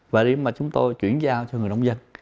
và khi mà chúng tôi chuyển giao cho người nông dân